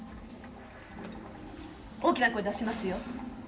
大きな声出しますよ。